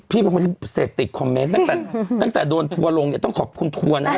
เป็นคนที่เสพติดคอมเมนต์ตั้งแต่ตั้งแต่โดนทัวร์ลงเนี่ยต้องขอบคุณทัวร์นะฮะ